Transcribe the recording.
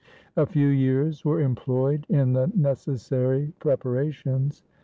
A few years were employed in the nec essary preparations.